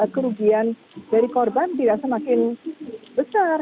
kerugian dari korban tidak semakin besar